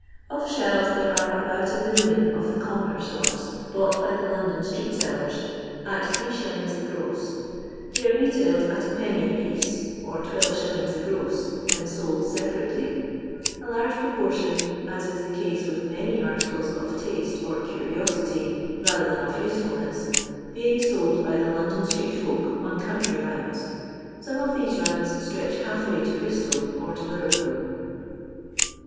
Of shells there are about a million of the com moner sorts bought by the London itreet iellersat 8s. 'the gross. They are retailed at \d, apiece, or 12s. the gross, when sold separately ; a large proportion, as is the case vrith many articles of taste or curiosity rather than of usefidness, being sold by the London street folk on country rounds ; some of these rounds stretch half way to Bristol or to Liverpool.